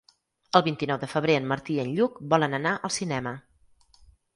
El vint-i-nou de febrer en Martí i en Lluc volen anar al cinema.